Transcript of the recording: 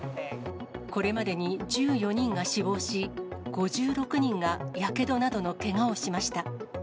これまでに１４人が死亡し、５６人がやけどなどのけがをしました。